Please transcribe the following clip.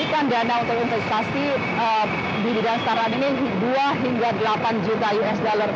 memberikan dana untuk investasi di bidang startup ini dua hingga delapan juta usd